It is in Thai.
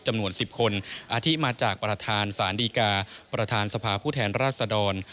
จำนวน๑๐คนอาทิมาจากประธานศาลดีกาประธานสภาผู้แทนราชดร